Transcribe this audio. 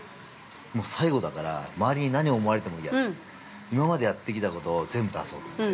最後だから周りに何を思われてもいいやって。今までやってきたことを全部出そうと思って。